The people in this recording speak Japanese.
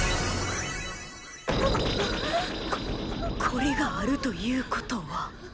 ここれがあるということは。